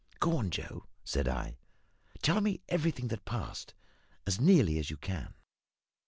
"Go on, Joe," said I; "tell me everything that passed, as nearly as you can."